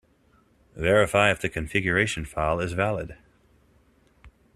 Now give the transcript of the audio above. Verify if the configuration file is valid.